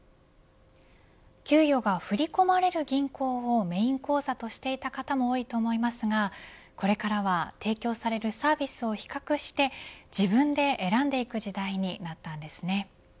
給与が振り込まれる銀行をメイン口座としていた方も多いと思いますがこれからは提供されるサービスを比較して自分で選んでいく時代になったんですね。